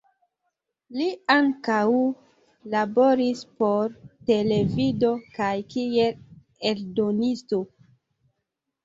Li ankaŭ laboris por televido kaj kiel eldonisto.